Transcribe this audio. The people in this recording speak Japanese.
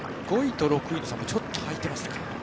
５位と６位の差も開いていますかね。